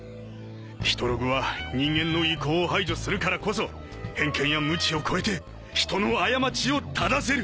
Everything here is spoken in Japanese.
ヒトログは人間の意向を排除するからこそ偏見や無知を超えて人の過ちを正せる。